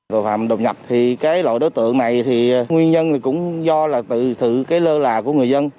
tội phạm đột nhập thì cái loại đối tượng này thì nguyên nhân cũng do là từ cái lơ là của người dân